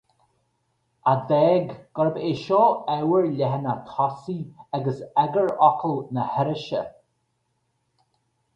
A d'fhág gurb é seo ábhar leathanach tosaigh agus eagarfhocal na hirise.